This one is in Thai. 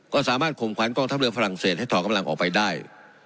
ก็สามารถข่มขวัญกองทัพเรือฝรั่งเศสให้ถอดกำลังออกไปได้